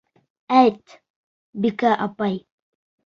Әйт, Бикә апай.